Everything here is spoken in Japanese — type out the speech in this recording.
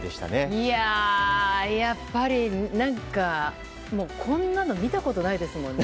いやあ、やっぱりこんなの見たことないですもんね。